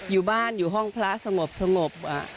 อยู่บ้านอยู่ห้องพระสงบ